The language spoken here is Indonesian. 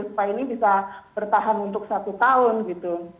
supaya ini bisa bertahan untuk satu tahun gitu